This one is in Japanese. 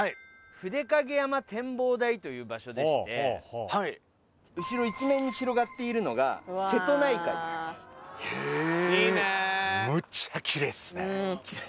筆影山展望台という場所でして後ろ一面に広がっているのが瀬戸内海へえキレイですね